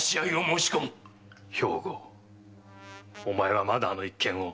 兵庫お前はまだあの一件を。